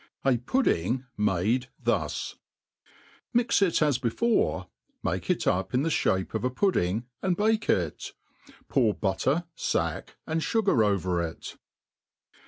, jf Pudding tnade thus ;. MIX if 3s before, make it up in the fhape of a puddingy arid b^ke it \ pour butter, fack, ^nd fugar over it.